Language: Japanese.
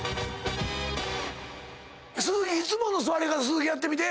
鈴木いつもの座り方やってみて。